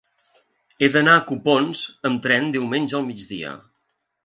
He d'anar a Copons amb tren diumenge al migdia.